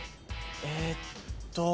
えっと。